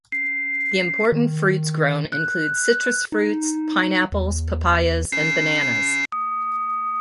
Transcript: The important fruits grown include citrus fruits, pineapples, papayas, and bananas.